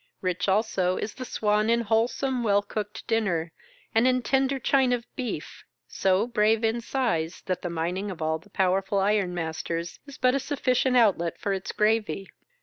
Rich also is the Swan in wholesome well cooked dinner, and in tender chine of beef, so brave in size that the mining of all the powerful Iron masters is but a sufficient outlet for its gravy.